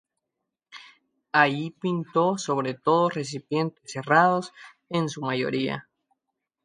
Allí pintó sobre todo recipientes cerrados en su mayoría.